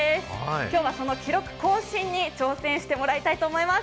今日はその記録更新に挑戦してもらいたいと思います。